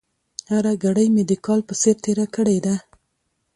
هره ګړۍ مې د کال په څېر تېره کړې ده.